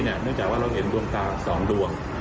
เนื่องจากว่าเราเห็นดวงตา๒ดวง